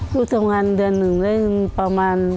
ลูกทำงานเดือน๑ได้เงินประมาณ